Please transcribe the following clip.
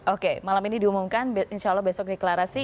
oke malam ini diumumkan insya allah besok deklarasi